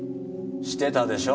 してたでしょ？